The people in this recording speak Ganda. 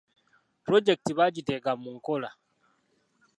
Pulojekiti bagiteeka mu nkola.